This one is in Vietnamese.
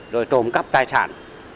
rồi trộm cắp tài sản